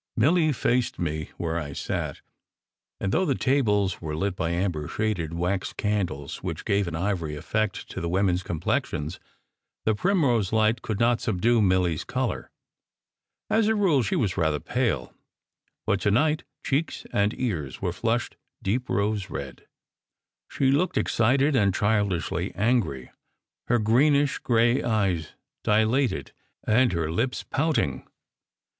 Milly faced me where I sat, and though the tables were lit by amber shaded wax candles which gave an ivory effect to the women s complexions, the primrose light could not subdue Milly s colour. As a rule, she was rather pale, but to night cheeks and ears were flushed deep rose colour. She looked excited and childishly angry, her greenish gray 280 SECRET HISTORY eyes dilated and her lips pouting.